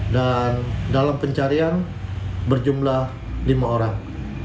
dan dalam pencarian berjumlah lima orang